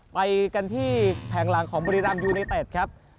ไปกันที่แผงหลังของภัณฑ์บุรีรามยูเนเตตครับ